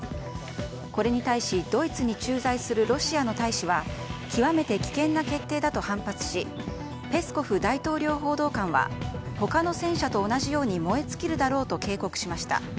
これに対しドイツに駐在するロシアの大使は極めて危険な決定だと反発しペスコフ大統領報道官は他の戦車と同じように燃え尽きるだろうと警告しました。